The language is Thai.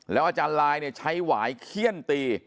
แล้วอาจารย์ลายเนี่ยไหว้เขี้ยนตี